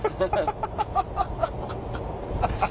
ハハハハハハ！